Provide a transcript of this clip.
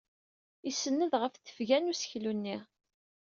Isenned ɣef tefga n useklu-nni.